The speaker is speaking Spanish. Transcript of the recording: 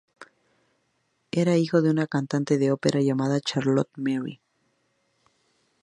Era hijo de una cantante de ópera llamada Charlotte Mary.